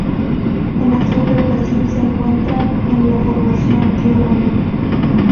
En el sur de Brasil se encuentran en la Formación Río Bonito.